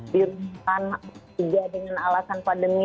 jutaan juga dengan alasan pandemi